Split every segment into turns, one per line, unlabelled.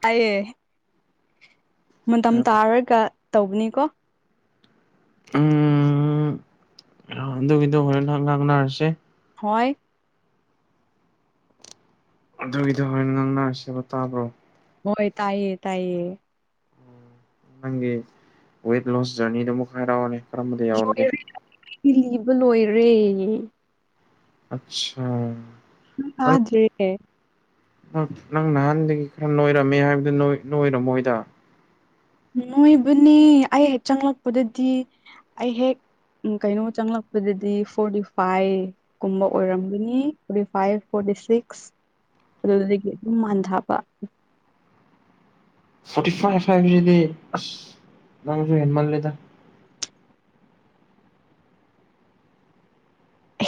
ꯇꯥꯢꯌꯦ ꯃꯇꯝ
ꯎꯝ
ꯇꯥꯔꯒ ꯇꯧꯕꯅꯤꯀꯣ
ꯎꯝ ꯑꯗꯨꯒꯤꯗꯣ ꯍꯣꯔꯦꯟ [unintelligible] ꯉꯥꯡꯅꯔꯁꯦ
ꯍꯣꯏ
ꯑꯗꯨꯒꯤꯗꯣ ꯍꯣꯔꯦꯟ ꯉꯥꯡꯅꯔꯁꯦꯕ ꯇꯥꯕ꯭ꯔꯣ
ꯍꯣꯏ ꯇꯥꯏꯌꯦ ꯇꯥꯏꯌꯦ
ꯅꯪꯒꯤ ꯋꯦꯠ ꯂꯣꯁ ꯖꯔꯅꯤꯗꯨ ꯑꯃꯨꯛ ꯍꯥꯏꯔꯛꯑꯣꯅꯦ ꯀꯔꯝꯕꯗ ꯌꯥꯎꯔꯒꯦ
ꯏ ꯂꯤꯕ ꯂꯣꯏꯔꯦ
ꯑꯠꯁꯥ
ꯇꯥꯗ꯭ꯔꯤ ꯌꯦ
ꯅꯪ ꯅꯍꯥꯟꯗꯒꯤ ꯈꯔ ꯅꯣꯏꯔꯝꯃꯦ ꯍꯥꯏꯕꯗꯨ ꯅꯣꯢ ꯅꯣꯏꯔꯝꯃꯣꯏꯗ
ꯅꯣꯏꯕꯅꯤ ꯑꯩ ꯍꯦꯛ ꯆꯪꯂꯛꯄꯗꯗꯤ ꯑꯩ ꯍꯦꯛ ꯎꯝ ꯀꯩꯅꯣ ꯆꯪꯂꯛꯄꯗꯗꯤ ꯐꯣꯔꯇꯤ ꯐꯥꯏꯚ ꯀꯨꯝꯕ ꯑꯣꯏꯔꯝꯒꯅꯤ ꯐꯣꯔꯇꯤ ꯐꯥꯏꯚ ꯐꯣꯔ ꯗꯤꯁꯤꯛꯁ ꯑꯗꯨꯗꯒꯤ ꯑꯗꯨꯝ ꯍꯟꯊꯕ
ꯐꯣꯔꯇꯤ ꯐꯥꯏꯚ ꯍꯥꯢꯕꯁꯤꯗꯤ ꯑꯁ ꯅꯪꯁꯨ ꯍꯦꯟꯃꯥꯜꯂꯤꯗ [inaudible]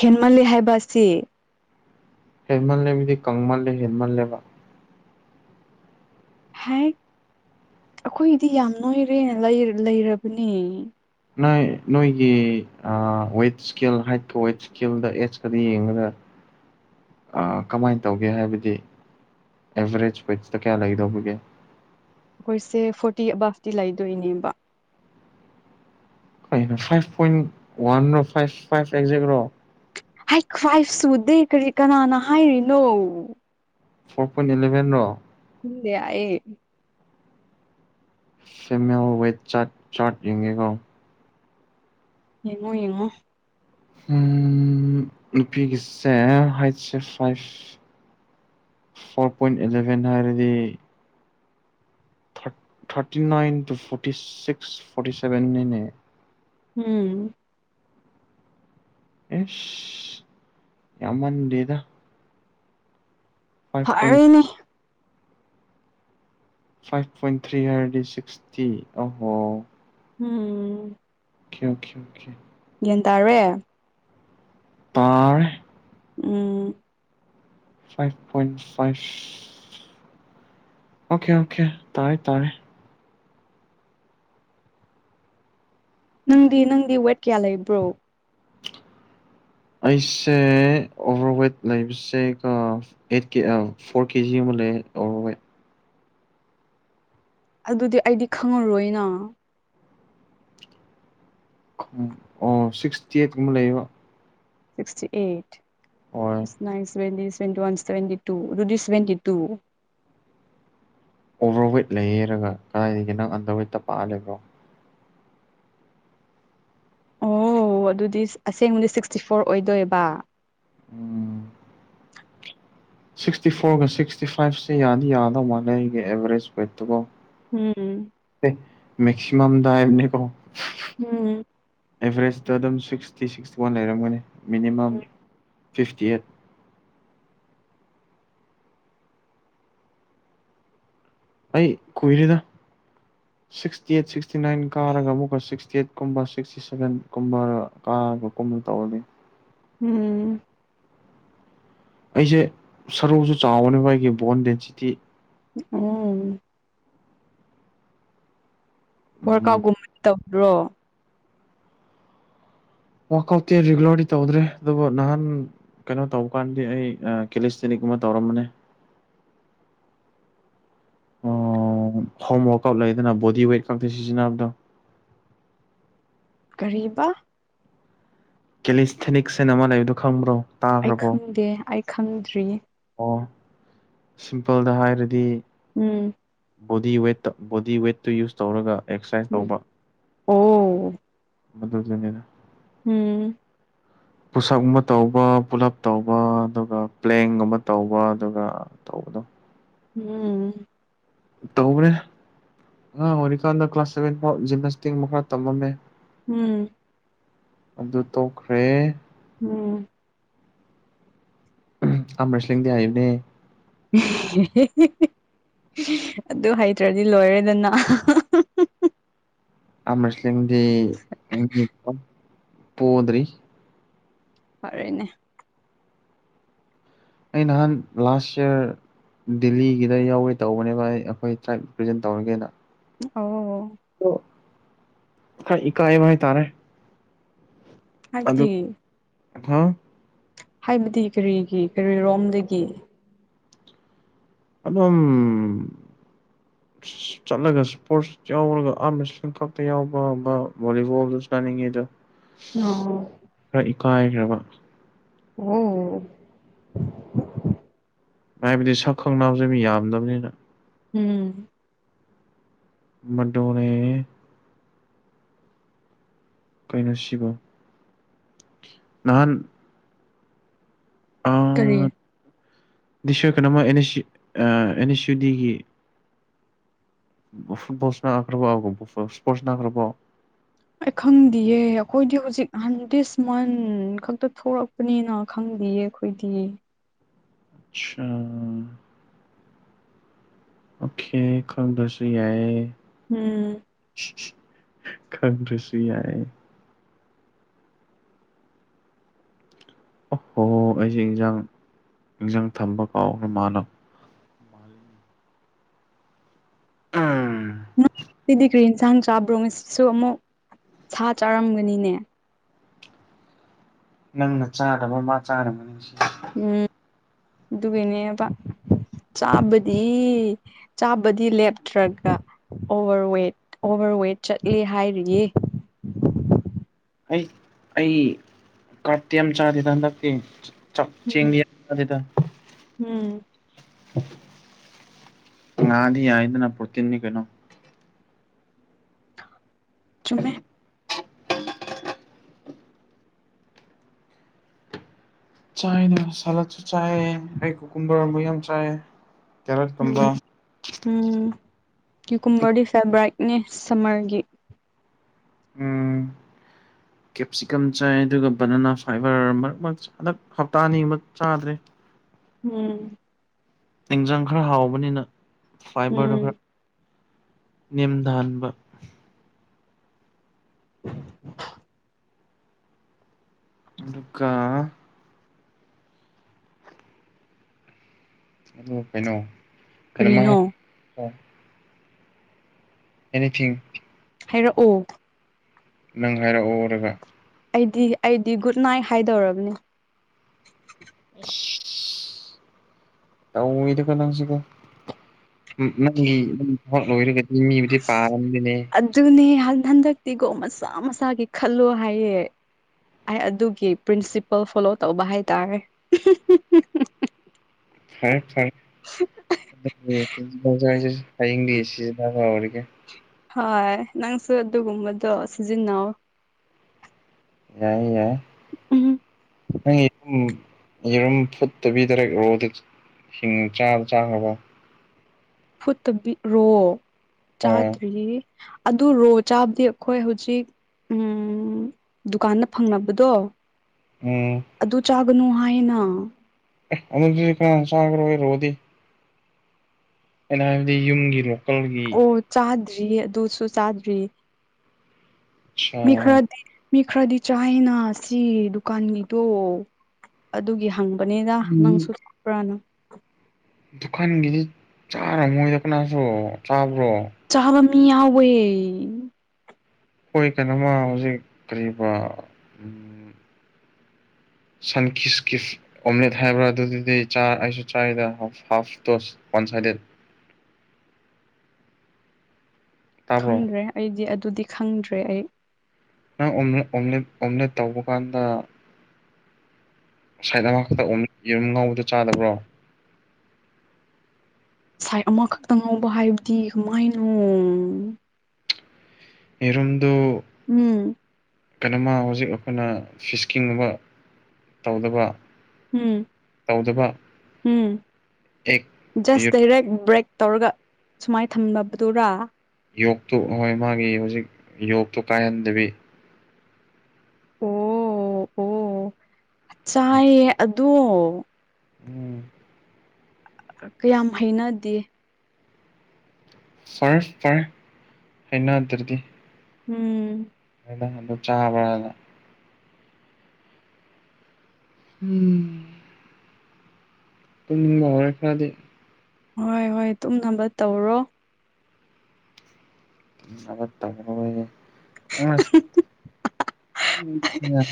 ꯍꯦꯟꯃꯜꯂꯤ ꯍꯥꯏꯕ ꯑꯁꯤ
ꯍꯦꯟꯃꯜꯂꯦꯕꯗꯤ ꯀꯪꯃꯜꯂꯦ ꯍꯦꯟꯃꯜꯂꯦꯕ
ꯍꯥꯏ ꯑꯩꯈꯣꯏꯗꯤ ꯌꯥꯝ ꯅꯣꯏꯔꯦꯅ ꯂꯩꯔꯕꯅꯦ
ꯅꯣꯏ ꯅꯣꯏꯒꯤ ꯋꯦꯠ ꯏꯁꯀꯦꯜ ꯍꯥꯏꯠꯀ ꯋꯦꯠ ꯏꯁꯀꯦꯜꯗ ꯑꯦꯠꯁꯀꯗ ꯌꯦꯡꯒꯗ ꯑꯥ ꯀꯃꯥꯏꯅ ꯇꯧꯒꯦ ꯍꯥꯏꯕꯗꯤ ꯑꯦꯕꯔꯦꯖ ꯋꯦꯇ ꯀꯌꯥ ꯂꯩꯗꯧꯕꯒꯦ
ꯑꯩꯈꯣꯏꯁꯦ ꯐꯣꯔꯇꯤ ꯑꯕꯥꯞꯇꯤ ꯂꯩꯗꯣꯏꯅꯦꯕ
ꯀꯩꯅꯣ ꯐꯥꯏꯚ ꯄꯣꯏꯟ ꯋꯥꯟ ꯂꯣ ꯐꯥꯏꯚ ꯐꯥꯏꯚ ꯑꯦꯛꯖꯦꯛꯔꯣ
ꯍꯥꯠ ꯐꯥꯏꯞ ꯁꯨꯗꯦ ꯀꯔꯤ ꯀꯅꯥꯅ ꯍꯥꯏꯔꯤꯅꯣ
ꯐꯣꯔ ꯄꯣꯏꯟ ꯏꯂꯚꯦꯟ ꯔꯣ
ꯈꯪꯗꯦ ꯑꯩ
ꯐꯤꯃꯦꯜ ꯋꯦꯠ ꯋꯥꯔꯠ ꯆꯥꯔꯠ ꯌꯦꯡꯉꯦꯀꯣ
ꯌꯦꯉꯣ ꯌꯦꯉꯣ
ꯎꯝ ꯅꯨꯄꯤꯒꯤꯁꯦ ꯍꯥꯏꯠꯁꯦ ꯐꯥꯏꯚ ꯐꯣꯔ ꯄꯣꯏꯟ ꯑꯦꯂꯦꯚꯦꯟ ꯍꯥꯏꯔꯗꯤ thirty nine two forty six forty ꯁꯦꯚꯦꯟꯅꯤꯅꯦ
ꯎꯝ
ꯑꯦꯁ ꯌꯥꯝꯃꯟꯗꯦꯗ ꯐꯥꯏꯚ ꯄꯣꯏꯟ
ꯐꯔꯣꯏꯅꯦ
ꯐꯥꯏꯚ ꯄꯣꯏꯟ ꯊ꯭ꯔꯤ ꯍꯥꯏꯔꯗꯤ ꯁꯤꯛꯁꯇꯤ ꯑꯍꯣ
ꯎꯝ
ꯑꯣꯀꯦ ꯑꯣꯀꯦ ꯑꯣꯀꯦ
ꯒꯤꯌꯥꯟꯟ ꯇꯥꯔꯦ
ꯇꯥꯔꯦ
ꯎꯝ
five point five okay okay ꯇꯥꯔꯦ ꯇꯥꯔꯦ
ꯅꯪꯗꯤ ꯅꯪꯗꯤ ꯋꯦꯠ ꯀꯌꯥ ꯂꯩꯕ꯭ꯔꯣ
ꯑꯩꯁꯦ ꯑꯣꯚꯔꯋꯦꯠ ꯂꯩꯕꯁꯦ ꯀꯣ ꯑꯩꯠ ꯀꯦ ꯐꯣꯔ ꯀꯦꯖꯤ ꯃꯨꯛ ꯑꯣ ꯋꯦꯠ
ꯑꯗꯨꯗꯤ ꯑꯩꯗꯤ ꯈꯪꯉꯔꯣꯏꯅ
ꯑꯣ ꯁꯤꯛꯁꯇꯤ ꯑꯩꯠꯀꯨꯝꯕ ꯂꯩꯌꯦꯕ
ꯁꯤꯁꯇꯤ ꯑꯩꯠ
ꯍꯣꯏ
ꯑꯁ ꯅꯥꯏꯟ ꯁꯦꯕꯦꯟꯗꯤ ꯋꯥꯚꯦꯟꯇꯤ ꯋꯥꯟ ꯁꯚꯦꯟꯇꯤꯇꯨ ꯑꯗꯨꯗꯤ ꯁꯧꯕꯦꯟꯇꯤꯇꯨ
ꯑꯣꯚꯔꯋꯦꯠ ꯂꯩꯌꯦꯔꯒ ꯀꯗꯥꯏꯗꯒꯤ ꯅꯪ ꯑꯟꯗꯔ ꯋꯦꯠꯇ ꯄꯥ ꯂꯕ꯭ꯔꯣ
ꯑꯣ ꯑꯗꯨꯗꯤ ꯑꯁꯦꯡꯕꯗꯤ ꯁꯤꯛꯁꯇꯤ ꯐꯣꯔ ꯑꯣꯏꯗꯣꯏꯕ
ꯎꯝ ꯁꯤꯛꯁꯇꯤ ꯐꯣꯔꯒ ꯁꯤꯛꯁꯇꯤ ꯐꯥꯏꯚꯁꯦ ꯌꯥꯗꯤ ꯌꯥꯗꯧ ꯃꯥꯥꯟꯂꯦ ꯑꯩꯒꯤ ꯑꯦꯚꯔꯦꯖ ꯋꯦꯠꯇꯨꯀꯣ
ꯎꯝ
ꯃꯦꯛꯀꯁꯤꯃꯝꯗꯗꯥ ꯍꯥꯏꯕꯅꯤ ꯀꯣ
ꯎꯝ
ꯑꯦꯚꯔꯦꯖꯇ ꯑꯗꯨꯝ ꯁꯤꯛꯁꯇꯤ ꯁꯤꯛꯁꯇꯤ ꯋꯥꯟ ꯂꯩꯔꯝꯒꯅꯤ ꯃꯤꯅꯤꯃꯝ ꯐꯤꯐꯇꯤ ꯑꯩꯠ ꯑꯩ ꯀꯨꯏꯔꯦꯗ ꯁꯤꯛꯁꯇꯤ ꯑꯩꯠ ꯁꯤꯛꯁꯇꯤ ꯅꯥꯏꯟ ꯀꯥꯔꯒ ꯑꯃꯨꯛꯀ ꯁꯤꯛꯁꯇꯤ ꯑꯩꯠ ꯀꯨꯝꯕ ꯁꯤꯛꯁꯇꯤ ꯁꯚꯦꯟꯒꯨꯝꯕ ꯀ ꯀꯔ ꯀꯨꯝꯃ ꯇꯧ ꯂꯩ
ꯎꯝ
ꯑꯩꯁꯦ ꯁꯔꯨꯁꯨ ꯆꯥꯎꯕꯅꯦꯕ ꯑꯩꯒꯤ ꯕꯣꯟ ꯗꯦꯟꯁꯤꯇꯤ
ꯎꯝ ꯋꯥꯔꯛ
ꯎꯝ
ꯑꯥꯎꯠꯒꯨꯝꯕꯅꯤ ꯇꯧꯗ꯭ꯔꯣ
ꯋꯥꯥꯛ ꯑꯥꯎꯠꯇꯤ ꯔꯤꯒꯨꯂꯔꯗꯤ ꯇꯧꯗ꯭ꯔꯦ ꯑꯗꯨꯕꯨ ꯅꯍꯥꯟ ꯀꯩꯅꯣ ꯇꯧꯕ ꯀꯥꯟꯗꯤ ꯑꯩ ꯀꯦꯁꯇꯅꯤ ꯒꯨꯝꯕ ꯇꯧꯔꯝꯕꯅꯦ ꯍꯣꯝ ꯋꯥꯔꯛ ꯑꯥꯎꯠ ꯂꯩꯗꯅ ꯕꯣꯗꯤ ꯋꯦꯠ ꯈꯇ ꯁꯤꯖꯤꯟꯅꯕꯗꯣ [inaudible]
ꯀꯔꯤꯕ
ꯀꯦꯂꯤꯁꯊꯦꯅꯤꯛꯁꯅ ꯑꯃ ꯂꯩꯕꯗꯣ ꯈꯪꯕ꯭ꯔꯣ
ꯑꯩ
ꯇꯥꯈ꯭ꯔꯕꯣ
ꯈꯪꯗꯦ ꯑꯩ ꯈꯪꯗ꯭ꯔꯤ
ꯑꯣ ꯁꯤꯝꯄꯜꯗ ꯍꯥꯏꯔꯗꯤ
ꯎꯝ
ꯕꯣꯗꯤ ꯋꯦꯠꯇ ꯕꯣꯗꯤ ꯋꯦꯠꯇꯨ ꯌꯨꯁ ꯇꯧꯔꯒ ꯑꯦꯛꯁꯔꯁꯥꯏꯁ
ꯎꯝ
ꯇꯧꯕ
ꯑꯣ
ꯃꯗꯨꯗꯨꯅꯤꯗ
ꯎꯝ
[inaudible] ꯄꯨꯁ ꯑꯞ ꯀꯨꯝꯕ ꯇꯧꯕ ꯄꯨꯂꯞ ꯇꯧꯕ ꯑꯗꯨꯒ ꯄ꯭ꯂꯦꯡꯒꯨꯝꯕ ꯇꯧꯕ ꯑꯗꯨꯒ ꯇꯧꯕꯗꯣ
ꯎꯝ
ꯇꯧꯒ꯭ꯔꯦ ꯑꯉꯥꯡ ꯑꯣꯏꯔꯤꯀꯥꯟꯗ ꯀ꯭ꯂꯥꯁ ꯁꯚꯦꯟ ꯐꯥꯎ ꯖꯤꯝꯅꯥꯁꯇꯤꯛ ꯃꯈꯥ ꯇꯝꯃꯝꯃꯦ
ꯎꯝ
ꯑꯗꯨ ꯇꯣꯛꯈ꯭ꯔꯦ
ꯎꯝ
ꯑꯃꯔꯁ꯭ꯂꯤꯡꯗꯤ ꯍꯩꯕꯅꯦ
ꯑꯍꯍꯍꯦ ꯑꯗꯨ ꯍꯩꯇ꯭ꯔꯗꯤ ꯂꯣꯏꯔꯦꯗꯅ
ꯑꯃꯔꯁ꯭ꯂꯤꯡꯗꯤ [unintelligible] ꯄꯣꯗ꯭ꯔꯤ
ꯐꯔꯦꯅꯦ
ꯑꯩ ꯅꯍꯥꯟ ꯂꯥꯁ ꯏꯌꯥꯔ ꯗꯦꯜꯂꯤꯒꯤꯗ ꯌꯥꯎꯋꯦ ꯇꯧꯕꯅꯦꯕ ꯑꯩꯈꯣꯏ ꯇ꯭ꯔꯥꯏꯞ ꯔꯤꯄ꯭ꯔꯖꯦꯟ ꯇꯧꯔꯒꯦꯅ
ꯑꯣ
ꯑꯗꯣ ꯈꯔ ꯏꯀꯥꯏꯕ ꯍꯥꯢ ꯇꯥꯔꯦ
ꯍꯥꯢꯕꯗꯤ
ꯥꯍꯥ
ꯍꯥꯏꯕꯗꯤ ꯀꯔꯤꯒꯤ ꯀꯔꯤꯔꯣꯝꯗꯒꯤ
ꯑꯗꯨꯝ ꯆꯠꯂꯒ ꯁꯄꯣꯔꯠꯁ ꯌꯥꯎꯔꯒ [unintelligible] ꯈꯛꯇ ꯌꯥꯎꯕ ꯚꯣꯂꯤꯕꯣꯜꯗ ꯆꯅꯤꯡꯉꯦꯗ
ꯑꯣ
ꯀꯥꯏꯒ꯭ꯔꯕ
ꯑꯝ
ꯍꯥꯏꯕꯗꯤ ꯁꯛ ꯈꯪꯅꯕꯁꯦ ꯃꯤ ꯌꯥꯝꯗꯕꯅꯤꯅ
ꯎꯝ
ꯃꯗꯣꯅꯦ ꯀꯩꯅꯣꯁꯤꯕꯣ ꯅꯍꯥꯟ
ꯀꯔꯤ
ꯗꯤꯁ ꯌꯤꯔ ꯀꯩꯅꯣꯃ N S C ah and S ꯁꯤ ꯌꯨ ꯗꯤꯒꯤ ꯐꯨꯠꯕꯣꯜꯁ ꯂꯥꯅꯈ꯭ꯔꯕ ꯕ ꯏꯁꯄꯣꯔꯠꯁ ꯅꯅꯥꯈ꯭ꯔꯕꯣ
ꯑꯩ ꯈꯪꯗꯦꯌꯦ ꯑꯩꯈꯣꯏꯗꯤ ꯍꯧꯖꯤꯛ ꯍꯟ ꯗꯤꯁ ꯃꯟ ꯈꯛꯇ ꯊꯣꯛꯂꯛꯄꯅꯤꯅ ꯈꯪ ꯗꯤꯌꯦ ꯑꯩꯈꯣꯏꯗꯤ
ꯑꯆꯥꯥ ꯑꯣꯀꯦ ꯈꯪꯗꯁꯨ ꯌꯥꯏꯌꯦ
ꯎꯝ
ꯈꯪꯗ꯭ꯔꯁꯨ ꯌꯥꯏ ꯍꯣ ꯍꯣ ꯑꯩꯁꯦ ꯏꯟꯖꯥꯡ ꯏꯟꯖꯥꯡ ꯊꯝꯕ ꯀꯥꯎꯈ꯭ꯔ ꯃꯥꯂꯥ ꯎꯝ
ꯁꯤꯗꯤ ꯀꯔꯤ ꯏꯟꯁꯥꯡ ꯆꯥꯕ꯭ꯔꯣ ꯉꯁꯤꯁꯨ ꯑꯃꯨꯛ ꯁꯥ ꯆꯥꯔꯝꯒꯅꯤꯅꯦ
ꯅꯪꯅ ꯆꯥꯗꯕ ꯃꯥ ꯆꯥꯔꯝꯒꯅꯤ
ꯎꯝ ꯑꯗꯨꯒꯤꯅꯦꯕ ꯆꯥꯕꯗꯤ ꯆꯥꯕꯗꯤ ꯂꯦꯞꯇ꯭ꯔꯒ ꯑꯣꯚꯔꯋꯦꯠ ꯑꯣꯚꯔ ꯋꯦꯠ ꯆꯠꯂꯦ ꯍꯥꯏꯔꯤꯅꯦꯕ
ꯑꯩ ꯑꯩ ꯀꯥꯔ꯭꯭ꯕꯇꯤ ꯑꯃ ꯆꯥꯗꯅ ꯍꯟꯗꯛꯇꯤ ꯆꯞ ꯆꯦꯡ
ꯎꯝ
[unintelligible] ꯗ
ꯎꯝ
ꯉꯥꯗꯤ ꯌꯥꯏꯗꯅ ꯄ꯭ꯔꯣꯇꯤꯟꯅꯤ ꯀꯩꯅꯣ
ꯆꯨꯝꯃꯦꯖ
ꯆꯥꯏꯅ ꯁꯂꯥꯗꯁꯨ ꯆꯥꯏꯌꯦ ꯑꯩ ꯀꯨꯀꯨꯝꯕꯔ ꯑꯝꯕ ꯌꯥꯝ ꯆꯥꯏꯌꯦ ꯀꯦꯔꯣꯠ ꯀꯨꯝꯕ
ꯎꯝ ꯎꯝ ꯌꯨꯀꯨꯝꯕꯔꯗꯤ ꯐꯦꯕ꯭ꯔꯥꯏꯛꯅꯦ ꯁꯝꯃꯔꯒꯤ
ꯎꯝ ꯀꯦꯞꯁꯤꯀꯝ ꯆꯥꯏ ꯑꯗꯨꯒ ꯕꯅꯅꯥ ꯐꯥꯏꯕꯔ ꯃꯔꯛ ꯃꯔꯛ ꯍꯟꯗꯛ ꯍꯞꯇꯥ ꯑꯅꯤꯒꯨꯝꯕ ꯆꯥꯗ꯭ꯔꯦ
ꯎꯝ
ꯍꯤꯡꯖꯥꯡ ꯈꯔ ꯍꯥꯎꯕꯅꯤꯅ ꯐꯥꯏꯕꯔꯗꯣ
ꯎꯝ
ꯈꯔ ꯅꯦꯝꯊꯍꯟꯕ
[inaudible]
ꯑꯗꯨꯒ ꯑꯗꯨ ꯀꯩꯅꯣ ꯀꯩꯅꯣꯝꯃꯥ
ꯀꯔꯤꯅꯣ
ꯑꯦꯅꯤꯊꯤꯡ
ꯍꯥꯏꯔꯛꯑꯣ
ꯅꯪ ꯍꯥꯏꯔꯛꯑꯣꯔꯒ
ꯑꯩꯗꯤ ꯑꯩꯗꯤ ꯒꯨꯗ ꯅꯥꯏꯠ ꯍꯥꯏꯗꯧꯔꯕꯅꯤ
ꯁꯤꯁ ꯇꯧꯋꯤ ꯗꯨꯒ ꯅꯪꯁꯤꯀꯣ ꯎꯝ ꯅꯪꯒꯤ [unintelligible] ꯊꯕꯛ ꯂꯣꯏꯔꯒꯗꯤ ꯃꯤ-ꯃꯤꯕꯨꯗꯤ ꯄꯥꯔꯕꯅꯤꯅꯦ
ꯍꯟ-ꯍꯟꯗꯛꯇꯤꯒꯣ ꯃꯁꯥ ꯃꯁꯥꯒꯤ ꯈꯜꯂꯣ ꯍꯥꯏꯌꯦ ꯑꯩ ꯑꯗꯨꯒꯤ ꯄ꯭ꯔꯤꯟꯁꯤꯄꯜ ꯐꯣꯂꯣ ꯇꯧꯕ ꯍꯥꯏꯇꯥꯔꯦ [unintelligible]
ꯐꯔꯦ ꯐꯔꯦ [unintelligible] [unintelligible] ꯍꯌꯦꯡꯗꯒꯤ ꯁꯤꯖꯤꯟꯅꯕ ꯍꯧꯔ ꯒꯦ
ꯍꯣꯏ ꯅꯪꯁꯨ ꯑꯗꯨꯒꯨꯝꯕꯗꯣ ꯁꯤꯖꯤꯟꯅꯧ
ꯌꯥꯏ ꯌꯥꯏ
ꯎꯝ
ꯅꯪꯒꯤ ꯎꯝ ꯌꯦꯔꯨꯝ ꯐꯨꯠꯇꯕꯤꯗꯔ [unintelligible] ꯍꯤꯡꯅ ꯆꯥꯕꯗꯨ ꯆꯥꯈ꯭ꯔꯕ
ꯐꯨꯠꯇꯕꯤ ꯔꯣ
ꯍꯣꯏ
ꯆꯥꯗ꯭ꯔꯤ ꯑꯗꯨ ꯔꯣ ꯆꯥꯕꯗꯤ ꯑꯩꯈꯣꯏ ꯍꯧꯖꯤꯛ ꯎꯝ ꯗꯨꯀꯥꯟꯗ ꯐꯪꯅꯕꯗꯣ
ꯎꯝ
ꯀꯅꯨ ꯍꯥꯏꯅ
ꯑꯦ ꯑꯗꯨꯗꯤ ꯀꯅꯥꯅ ꯆꯥꯒꯦꯔꯣꯏ ꯔꯣꯗꯤ ꯑꯩꯅ ꯍꯥꯏꯕꯗꯤ ꯌꯨꯝꯒꯤ ꯔꯣ
ꯑꯣ ꯆꯥꯗ꯭ꯔꯤꯌꯦ ꯑꯗꯨꯁꯨ ꯆꯥꯗ꯭ꯔꯤꯌꯦ
ꯁꯥ
ꯃꯤ ꯈꯔꯗꯤ ꯃꯤ ꯈꯔꯗꯤ ꯆꯥꯏꯅ ꯁꯤ ꯗꯨꯀꯥꯟꯒꯤꯗꯣ ꯑꯗꯨꯒꯤ ꯍꯪꯕꯅꯤꯗ ꯅꯪꯁꯨꯨ ꯆꯥꯕ꯭ꯔꯅ
ꯗꯨꯀꯥꯟꯒꯤꯗꯤ ꯆꯥꯔꯝꯃꯣꯏꯗ ꯀꯅꯥꯁꯨ ꯆꯥꯕ꯭ꯔꯣ
ꯆꯥꯕ ꯃꯤ ꯌꯥꯎꯌꯦ
ꯍꯣꯏ ꯀꯩꯅꯣꯝꯃ ꯍꯧꯖꯤꯛ ꯀꯔꯤꯕ ꯎꯝ ꯁꯟ ꯀꯤꯁꯀꯤꯐ ꯑꯣꯝꯂꯦꯠ ꯍꯥꯏꯕ꯭ꯔꯥ ꯑꯗꯨꯗꯨꯗꯤ ꯆꯥꯏ ꯑꯩꯁꯨ ꯆꯥꯏꯗ ꯍꯥꯐ ꯗꯣꯁ ꯋꯥꯟ ꯁꯥꯢꯗꯦꯠ
ꯈꯪꯗ꯭ꯔꯦ ꯑꯩꯗꯤ ꯑꯗꯨꯗꯤ ꯈꯪꯗ꯭ꯔꯦ ꯑꯩ
ꯅꯪ ꯑꯣꯝꯂ ꯑꯣꯝꯂꯦ ꯑꯣꯝꯂꯦꯠ ꯇꯧꯕ ꯀꯥꯟꯗ ꯁꯥꯏꯠ ꯑꯃꯈꯛꯇ ꯑꯣꯝꯂꯦ ꯌꯦꯔꯨꯝ ꯉꯧꯕꯗꯣ ꯆꯥꯗꯕ꯭ꯔꯣ
ꯁꯥꯏꯠ ꯑꯃꯈꯛꯇ ꯉꯧꯕ ꯍꯥꯏꯕꯗꯤ ꯀꯃꯥꯏꯅꯣ
ꯌꯦꯔꯨꯝ
ꯎꯝ
ꯀꯩꯅꯣꯃ ꯍꯧꯖꯤꯛ ꯑꯩꯈꯣꯏꯅ ꯐꯤꯁꯀꯤꯡ ꯑꯃ ꯇꯧꯗꯕ
ꯎꯝ
ꯇꯧꯗꯕ
ꯎꯝ
ꯑꯦꯛ
ꯖꯁ
ꯌꯣꯛ
ꯗꯥꯔꯦꯛ ꯕ꯭ꯔꯦꯛ ꯇꯧꯔꯒ ꯁꯨꯃꯥꯏꯅ ꯊꯝꯅꯕꯗꯨꯔꯥ
ꯌꯣꯛꯇꯨ ꯍꯣꯏ ꯃꯥꯒꯤ ꯍꯧꯖꯤꯛ ꯌꯣꯛꯇꯣ ꯀꯥꯏꯍꯟꯗꯕꯤ
ꯑꯣ ꯑꯣ ꯆꯥꯏꯌꯦ ꯑꯗꯣ
ꯎꯝ
ꯀꯌꯥꯝ ꯍꯩꯅꯗꯦ
ꯐꯔꯦ ꯐꯔꯦ ꯍꯩꯅꯗ꯭ꯔꯗꯤ
ꯎꯝ
ꯅꯪ ꯑꯗꯨ ꯆꯥꯕ꯭ꯔꯥꯅ ꯎꯝ ꯇꯨꯝꯅꯤꯡꯕ ꯍꯧꯔꯦ ꯈꯔꯗꯤ
ꯍꯣꯏ ꯍꯣꯏ ꯇꯨꯝꯅꯕ ꯇꯧꯔꯣ
ꯇꯨꯝꯅꯕ ꯇꯧꯔꯣꯌꯦ ꯑꯁ ꯎꯝ ꯌꯥ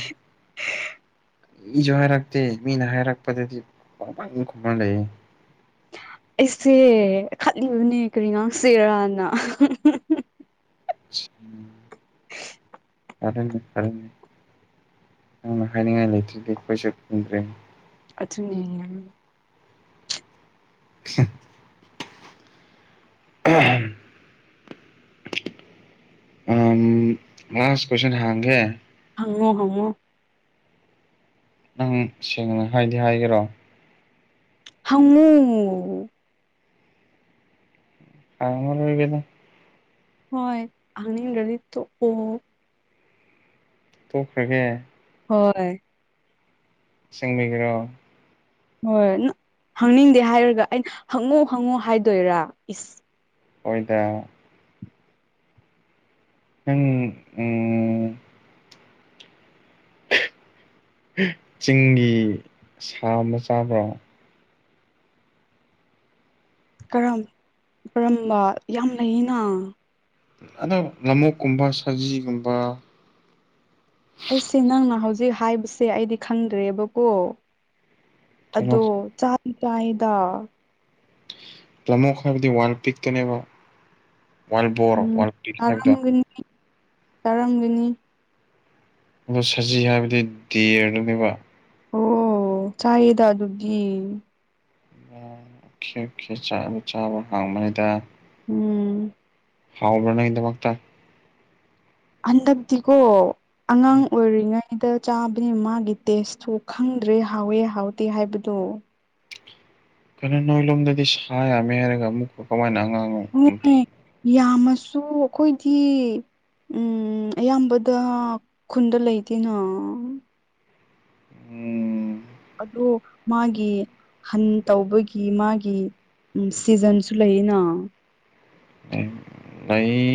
ꯀꯔꯤꯁꯨ ꯍꯥꯏꯔꯛꯇꯦ ꯃꯤꯅ ꯍꯥꯏꯔꯛꯄꯗꯗꯤ ꯄꯪꯄꯪ ꯈꯨꯝꯃ ꯂꯩꯌꯦ [inaudible]
ꯑꯩꯁꯦ ꯈꯠꯂꯤꯕꯅꯦ ꯀꯔꯤ ꯉꯥꯡꯁꯦꯔꯅ
ꯁꯤ ꯐꯔꯦꯅꯦ ꯐꯔꯦꯅꯦ ꯅꯪꯅ ꯍꯥꯢꯅꯤꯡꯉꯥꯢ ꯂꯩꯇ꯭ꯔꯥꯗꯤ ꯑꯈꯣꯢꯁꯨ ꯈꯪꯗ꯭ꯔꯦꯅꯦ
ꯑꯗꯨꯅꯦ ꯂꯨꯢ
ꯍ ꯑꯍꯝ ꯑꯝ ꯂꯥꯁ ꯀꯣꯢꯁꯟ ꯍꯥꯡꯒꯦ
ꯍꯪꯉꯣ ꯍꯪꯉꯣ
ꯅꯪ ꯁꯦꯡꯅ ꯍꯥꯏꯗꯤ ꯍꯥꯏꯒꯦꯔꯣ
ꯍꯪꯉꯣ
ꯍꯪꯉꯔꯣꯢꯒꯦꯗ
ꯍꯣꯏ ꯍꯪꯅꯤꯡꯗ꯭ꯔꯗꯤ ꯇꯣꯛꯑꯣ
ꯇꯣꯛꯈ꯭ꯔꯒꯦ
ꯍꯣꯏ
ꯑꯁꯦꯡꯕꯒꯤꯔꯣ
ꯍꯣꯏ ꯅ ꯍꯪꯅꯤꯡꯗꯦ ꯍꯥꯏꯔꯒ ꯑꯩꯅ ꯍꯪꯉꯣ ꯍꯪꯉꯣ ꯍꯥꯏꯗꯣꯏꯔꯥ ꯏꯁ
ꯍꯣꯏꯗ ꯅꯪ ꯎꯝ ꯆꯤꯡꯒꯤ ꯁꯥ ꯑꯃ ꯆꯥꯕ꯭ꯔꯣ
ꯀꯔꯝ ꯀꯔꯝꯕ ꯌꯥꯝ ꯂꯩꯌꯦꯅ
ꯑꯗꯣ ꯂꯃꯣꯛꯀꯨꯝꯕ ꯁꯖꯤꯒꯨꯝꯕ
ꯑꯩꯁꯦ ꯅꯪꯅ ꯍꯧꯖꯤꯛ ꯍꯥꯏꯕꯁꯦ ꯑꯩꯗꯤ ꯈꯪꯗ꯭ꯔꯦꯕꯀꯣ
ꯀꯩꯅꯣ
ꯑꯗꯣ ꯆꯥꯗꯤ ꯆꯥꯢꯌꯦꯗ
ꯂꯝ ꯑꯣꯛ ꯍꯥꯏꯕꯗꯤ ꯋꯥꯏꯜ ꯄꯤꯛꯇꯨꯅꯦꯕ ꯋꯥꯏꯜꯕꯣꯔ ꯋꯥꯏꯜ ꯄꯤꯛ ꯍꯥꯏꯕꯗꯣ
ꯆꯔꯝꯒꯅꯤ
ꯑꯗꯣ ꯁꯖꯤ ꯍꯥꯏꯕꯗꯤ ꯗꯦꯔꯗꯨꯅꯦꯕ
ꯑꯣ ꯆꯥꯢꯌꯦꯗ ꯑꯗꯨꯗꯤ
ꯑꯣꯈꯦ ꯑꯣꯈꯦ ꯆꯥꯛ ꯆꯥꯕ ꯍꯥꯎꯕꯅꯤꯗ
ꯎꯝ
ꯍꯥꯎꯕ꯭ꯔꯣ ꯅꯣꯏꯒꯤꯗꯨꯕꯣ ꯆꯥꯛ
ꯍꯟꯗꯛꯇꯤꯀꯣ ꯑꯉꯥꯡ ꯑꯣꯏꯔꯤꯉꯩ ꯏꯇ ꯆꯥꯕꯅꯤ ꯃꯥꯒꯤ ꯇꯦꯁꯇꯨ ꯈꯪꯗ꯭ꯔꯦ ꯍꯥꯎꯋꯦ ꯍꯥꯎꯇꯦ ꯍꯥꯏꯕꯗꯣ
ꯀꯩꯅꯣ ꯅꯣꯏꯂꯣꯝꯗꯗꯤ ꯁꯥ ꯌꯥꯝꯃꯦ ꯍꯥꯏꯔꯒ ꯑꯃꯨꯛꯀ ꯀꯃꯥꯏꯅ ꯑꯉꯥꯡ ꯎꯝ
ꯍꯣꯏ ꯌꯥꯝꯃꯁꯨ ꯑꯩꯈꯣꯏꯗꯤ ꯎꯝ ꯑꯌꯥꯝꯕꯗ ꯈꯨꯟꯗ ꯂꯩꯇꯦꯅ
ꯎꯝ
ꯑꯗꯣ ꯃꯥꯒꯤ ꯍꯟ ꯇꯧꯕꯒꯤ ꯃꯥꯒꯤ ꯎꯝ ꯁꯤꯖꯟꯁꯨ ꯂꯩꯌꯦꯅ
ꯂꯩ